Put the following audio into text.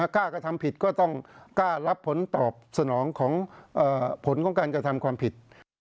กล้ากระทำผิดก็ต้องกล้ารับผลตอบสนองของผลของการกระทำความผิด